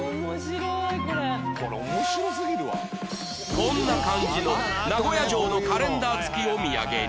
こんな感じの名古屋城のカレンダー付きお土産に